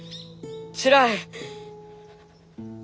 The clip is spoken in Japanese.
つらい！